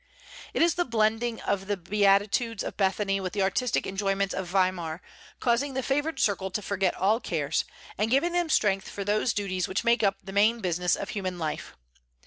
It is the blending of the beatitudes of Bethany with the artistic enjoyments of Weimar, causing the favored circle to forget all cares, and giving them strength for those duties which make up the main business of human life.